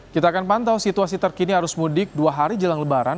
kita akan pantau situasi terkini arus mudik dua hari jelang lebaran